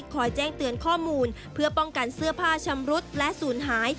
แจ้งเตือนข้อมูลเพื่อป้องกันเสื้อผ้าชำรุดและศูนย์หาย